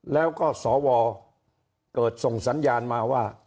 แล้วก็สวเกิดส่งสัญญาณมาว่า